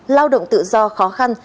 lao động tự do khó khăn